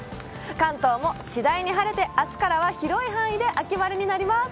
関東も次第に晴れて明日からは広い範囲で秋晴れになります。